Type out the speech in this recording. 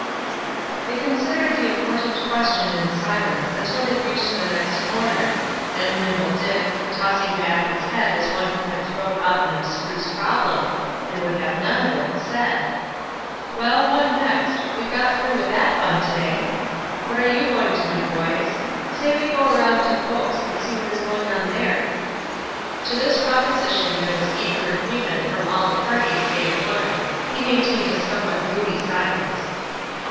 They considered the important question in silence until they reached the next corner; then Nimble Dick, tossing back his head as one who had thrown off an abstruse problem, and would have none of it, said: "Well, what next? We've got through with that fun for to day. What are you going to do, boys? Say we go around to Poke's, and see what is going on there?" To this proposition there was eager agreement from all the party save one; he maintained a somewhat moody silence.